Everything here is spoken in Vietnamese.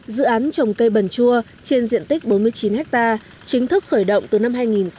dự án trồng cây bần chua trên diện tích bốn mươi chín ha chính thức khởi động từ năm hai nghìn một mươi